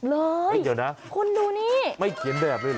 เดี๋ยวนะคุณดูนี่ไม่เขียนแบบเลยเหรอ